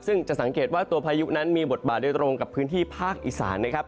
ซึ่งจะสังเกตว่าตัวพายุนั้นมีบทบาทโดยตรงกับพื้นที่ภาคอีสานนะครับ